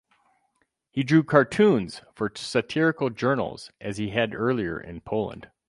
He drew cartoons for satirical journals, as he had earlier in Poland.